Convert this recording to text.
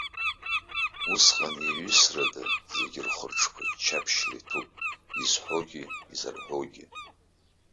Усҟан неиҩымсрада, зегь рхы-рҿқәа ччаԥшьла иҭәуп, изҳәогьы, изарҳәогьы!